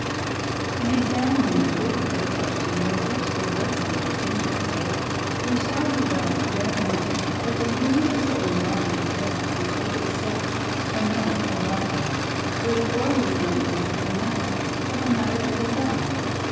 In examining the truth of this question, where such diversity of opinion exists, we shall do well to bear in mind that the union of soul and body exists for the sake of the soul and not of the body; for the form does not exist for the matter, but the matter for the form.